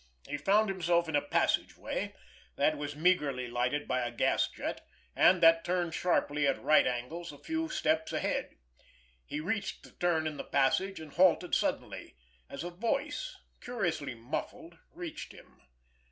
He found himself in a passageway that was meagerly lighted by a gas jet, and that turned sharply at right angles a few steps ahead. He reached the turn in the passage, and halted suddenly, as a voice, curiously muffled, reached him.